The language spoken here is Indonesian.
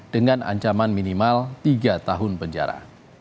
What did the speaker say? dengan ancaman minimal tiga tahun penjara